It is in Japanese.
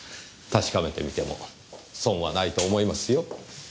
確かめてみても損はないと思いますよ。